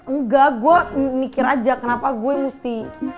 enggak gue mikir aja kenapa gue mesti